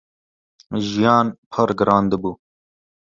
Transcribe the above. jiyan pir giran dibû.